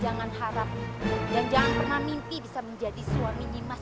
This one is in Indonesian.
jangan harap dan jangan pernah mimpi bisa menjadi suami nyimas ganda sari